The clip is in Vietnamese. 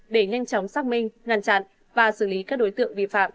để nhanh chóng xác minh ngăn chặn và xử lý các đối tượng vi phạm